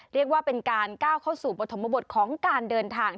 เรียกว่าเป็นการก้าวเข้าสู่ปฐมบทของการเดินทาง